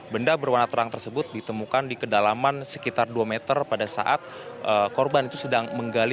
benda berwarna terang tersebut ditemukan di kedalaman sekitar dua meter pada saat korban itu sedang menggali